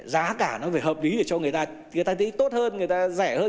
giá cả nó phải hợp lý để cho người ta thấy tốt hơn người ta rẻ hơn